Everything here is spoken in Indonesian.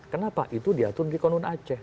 kenapa itu diatur di konun aceh